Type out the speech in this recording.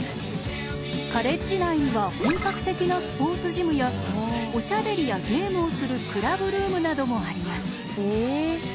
カレッジ内には本格的なスポーツジムやおしゃべりやゲームをするクラブルームなどもあります。